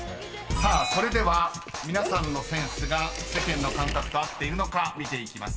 ［それでは皆さんのセンスが世間の感覚と合っているのか見ていきます］